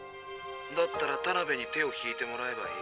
だったらタナベに手を引いてもらえばいい。